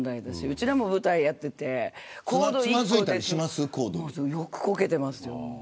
うちらも舞台やっていてよくこけてますよ。